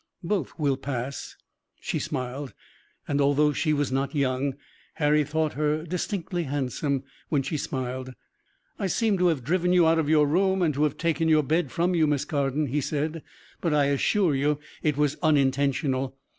"Both will pass." She smiled, and, although she was not young, Harry thought her distinctly handsome, when she smiled. "I seem to have driven you out of your room and to have taken your bed from you, Miss Carden," he said, "but I assure you it was unintentional.